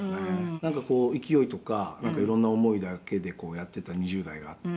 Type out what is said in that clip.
「なんかこう勢いとかいろんな思いだけでやってた２０代があって」